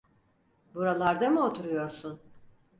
Buralarda mı oturuyorsun?